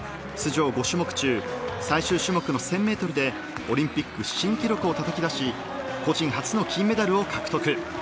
出場５種目中最終種目の１０００ｍでオリンピック新記録をたたき出し個人初の金メダルを獲得。